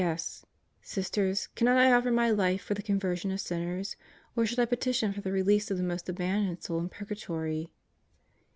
S. Sisters, cannot I offer my life for the conversion of sinners? or should I petition for the release of the most abandoned soul in Purgatory?